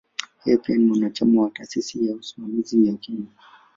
Yeye pia ni mwanachama wa "Taasisi ya Usimamizi ya Kenya".